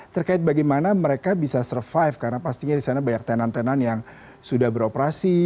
terkait bagaimana mereka bisa survive karena pastinya di sana banyak tenan tenan yang sudah beroperasi